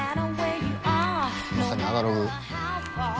まさにアナログ。